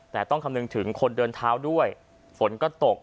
แต่ต้องคำนึงถึงคนเดินเท้าด้วยฝนก็ตก